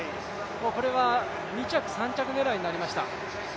これは２着、３着狙いになりました。